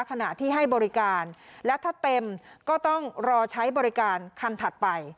ขณะที่ให้บริการและถ้าเต็มก็ต้องรอใช้บริการคันถัดไป